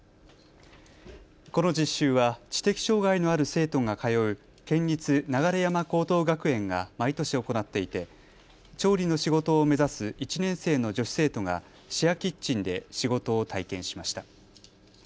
この実習は知的障害のある生徒が通う県立流山高等学園が毎年行っていて調理の仕事を目指す１年生の女子生徒がシェアキッチンで仕事を体験しました。